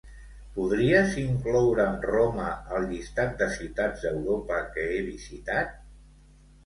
Podries incloure'm Roma al llistat de ciutats d'Europa que he visitat?